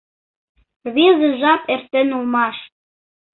Рвезе жап эртен улмаш.